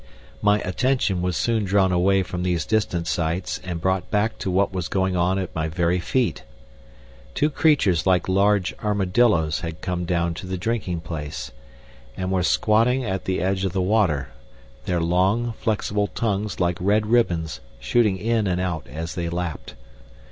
My attention was soon drawn away from these distant sights and brought back to what was going on at my very feet. Two creatures like large armadillos had come down to the drinking place, and were squatting at the edge of the water, their long, flexible tongues like red ribbons shooting in and out as they lapped.